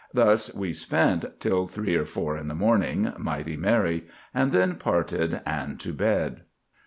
Thus we spent till three or four in the morning, mighty merry; and then parted and to bed."